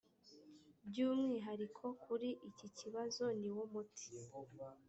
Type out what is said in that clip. byumwihariko kuri iki kibazo niwo muti